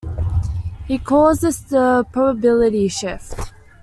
He calls this the "probability shift".